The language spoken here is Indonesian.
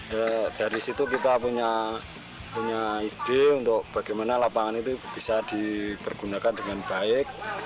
ya dari situ kita punya ide untuk bagaimana lapangan itu bisa dipergunakan dengan baik